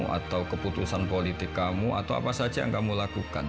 atau keputusan politik kamu atau apa saja yang kamu lakukan